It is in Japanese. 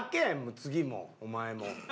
次もうお前も。